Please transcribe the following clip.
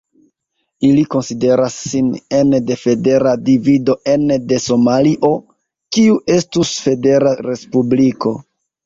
Ili konsideras sin ene de federa divido ene de Somalio kiu estus federa respubliko.